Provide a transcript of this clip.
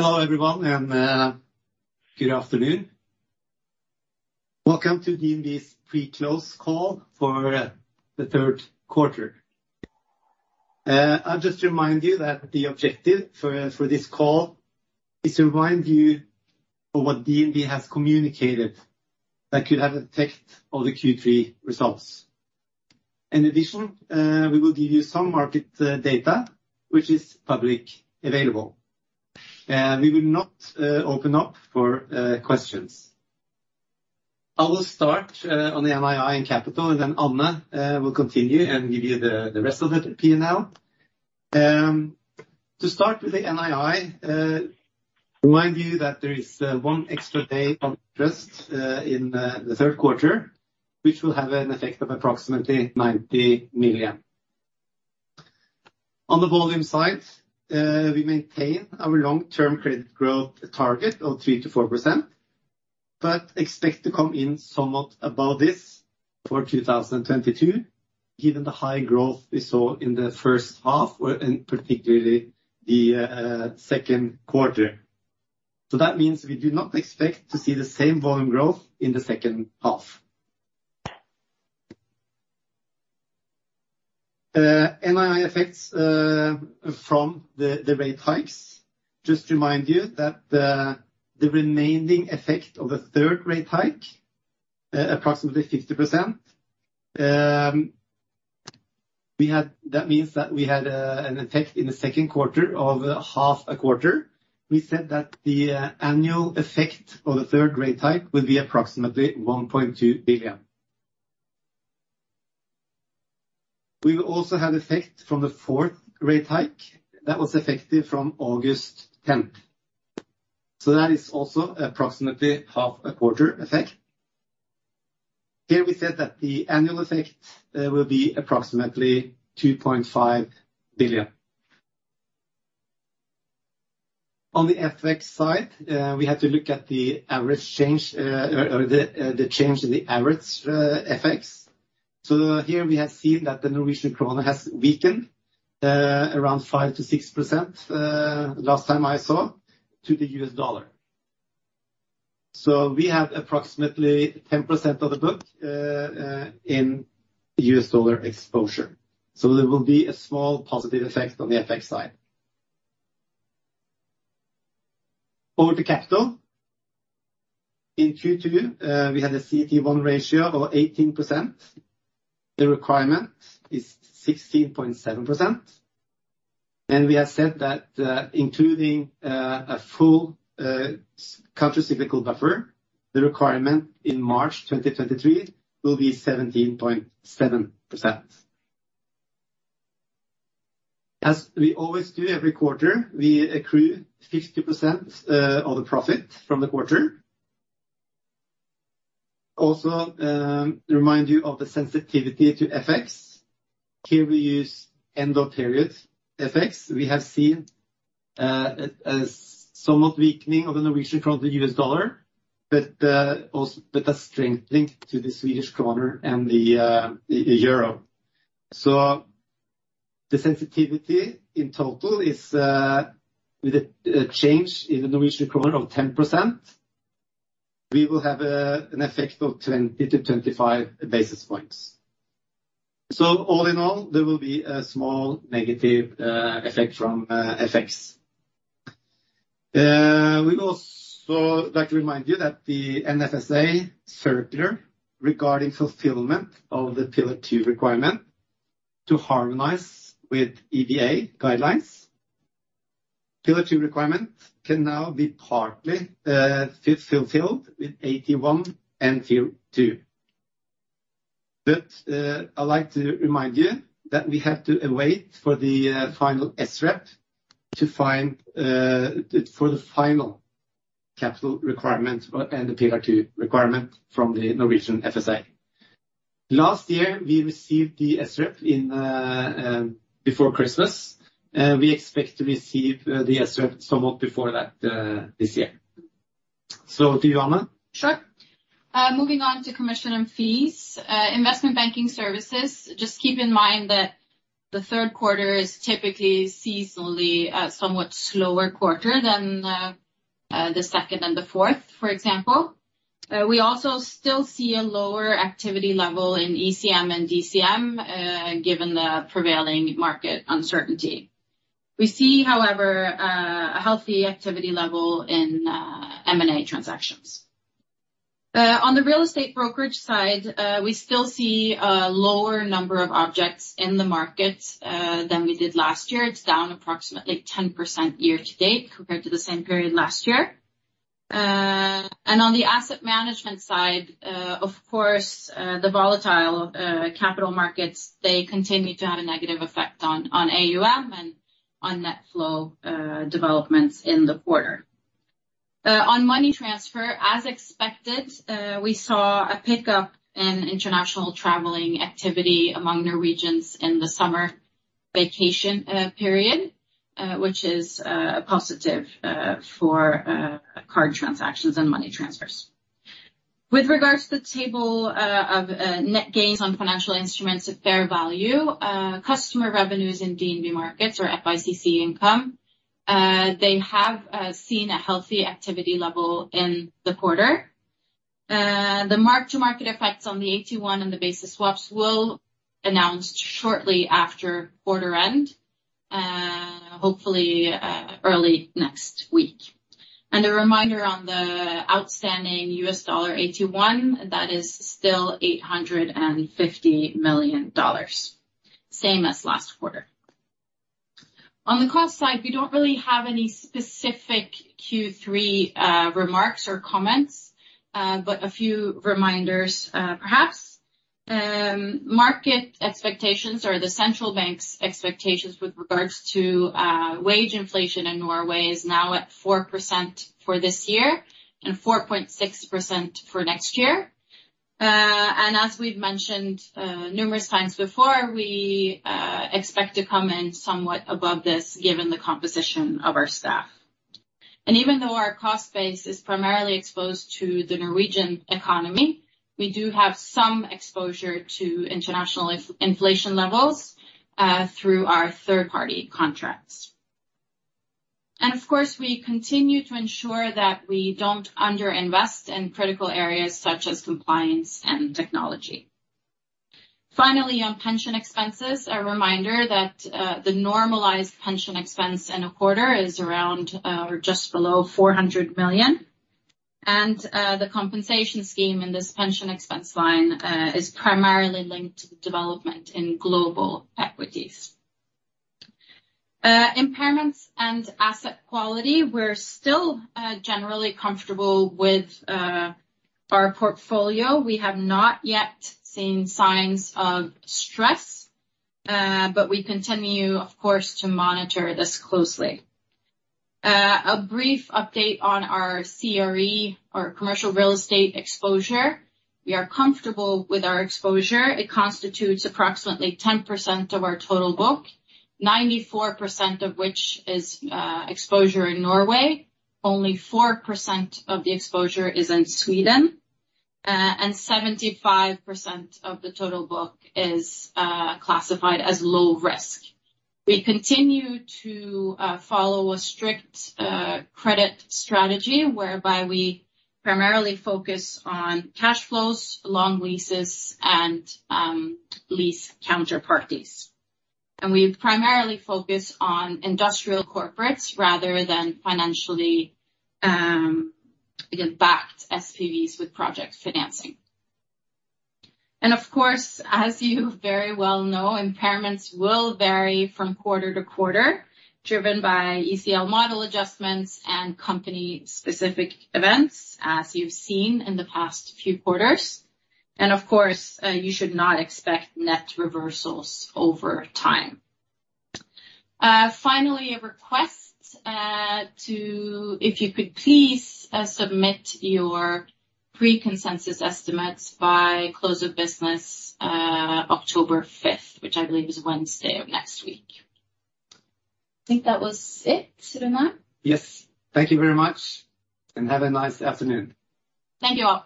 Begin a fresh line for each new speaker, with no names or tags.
Hello, everyone, and good afternoon. Welcome to DNB's pre-close call for the third quarter. I'll just remind you that the objective for this call is to remind you of what DNB has communicated that could have effect on the Q3 results. In addition, we will give you some market data which is publicly available. We will not open up for questions. I will start on the NII and capital, and then Ida Lerner will continue and give you the rest of the P&L. To start with the NII, remind you that there is one extra day of interest in the third quarter, which will have an effect of approximately 90 million. On the volume side, we maintain our long-term credit growth target of 3%-4%, but expect to come in somewhat above this for 2022, given the high growth we saw in the first half and particularly the second quarter. That means we do not expect to see the same volume growth in the second half. NII effects from the rate hikes, just remind you that the remaining effect of the third rate hike approximately 50%, that means that we had an effect in the second quarter of half a quarter. We said that the annual effect of the third rate hike will be approximately 1.2 billion. We will also have effect from the fourth rate hike that was effective from August 10th. That is also approximately half a quarter effect. Here we said that the annual effect will be approximately NOK 2.5 billion. On the FX side, we had to look at the average change or the change in the average FX. Here we have seen that the Norwegian krone has weakened around 5%-6%, last time I saw, to the U.S. dollar. We have approximately 10% of the book in U.S. dollar exposure, so there will be a small positive effect on the FX side. Over to capital. In Q2, we had a CET1 ratio of 18%. The requirement is 16.7%. We have said that, including a full countercyclical buffer, the requirement in March 2023 will be 17.7%. As we always do every quarter, we accrue 50% of the profit from the quarter. Also, remind you of the sensitivity to FX. Here we use end of period FX. We have seen a somewhat weakening of the Norwegian krone to the U.S. dollar, but also a strengthening to the Swedish krona and the euro. The sensitivity in total is with a change in the Norwegian krone of 10%, we will have an effect of 20-25 basis points. All in all, there will be a small negative effect from FX. We'd also like to remind you that the NFSA circular regarding fulfillment of the Pillar 2 requirement to harmonize with EBA guidelines. Pillar 2 requirement can now be partly fulfilled with AT1 and Tier 2. I like to remind you that we have to await for the final SREP to find for the final capital requirement and the Pillar 2 requirement from the Norwegian FSA. Last year, we received the SREP in before Christmas. We expect to receive the SREP somewhat before that this year. To you, Ida Lerner.
Sure. Moving on to commission and fees. Investment banking services, just keep in mind that the third quarter is typically seasonally a somewhat slower quarter than the second and the fourth, for example. We also still see a lower activity level in ECM and DCM, given the prevailing market uncertainty. We see, however, a healthy activity level in M&A transactions. On the real estate brokerage side, we still see a lower number of objects in the market than we did last year. It's down approximately 10% year to date compared to the same period last year. On the asset management side, of course, the volatile capital markets, they continue to have a negative effect on AUM and on net flow developments in the quarter. On money transfer, as expected, we saw a pickup in international traveling activity among Norwegians in the summer vacation period, which is a positive for card transactions and money transfers. With regards to the table of net gains on financial instruments at fair value, customer revenues in DNB Markets or FICC income, they have seen a healthy activity level in the quarter. The mark-to-market effects on the AT1 and the basis swaps will announce shortly after quarter end, hopefully, early next week. A reminder on the outstanding U.S. dollar AT1, that is still $850 million, same as last quarter. On the cost side, we don't really have any specific Q3 remarks or comments, but a few reminders, perhaps. Market expectations or the central bank's expectations with regards to wage inflation in Norway is now at 4% for this year and 4.6% for next year. As we've mentioned numerous times before, we expect to come in somewhat above this, given the composition of our staff. Even though our cost base is primarily exposed to the Norwegian economy, we do have some exposure to international inflation levels through our third-party contracts. Of course, we continue to ensure that we don't under-invest in critical areas such as compliance and technology. Finally, on pension expenses, a reminder that the normalized pension expense in a quarter is around or just below 400 million. The compensation scheme in this pension expense line is primarily linked to the development in global equities. Impairments and asset quality, we're still generally comfortable with our portfolio. We have not yet seen signs of stress, but we continue, of course, to monitor this closely. A brief update on our CRE or commercial real estate exposure. We are comfortable with our exposure. It constitutes approximately 10% of our total book, 94% of which is exposure in Norway. Only 4% of the exposure is in Sweden, and 75% of the total book is classified as low risk. We continue to follow a strict credit strategy, whereby we primarily focus on cash flows, long leases, and lease counterparties. We primarily focus on industrial corporates rather than financially, you know, backed SPVs with project financing. Of course, as you very well know, impairments will vary from quarter to quarter, driven by ECL model adjustments and company specific events, as you've seen in the past few quarters. Of course, you should not expect net reversals over time. Finally, a request, if you could please, submit your pre-consensus estimates by close of business, October fifth, which I believe is Wednesday of next week. I think that was it, Sverre?
Yes. Thank you very much, and have a nice afternoon.
Thank you all.